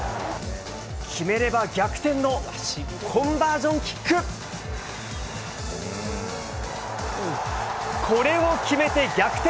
決めれば逆転のコンバージョンキック。これを決めて、逆転。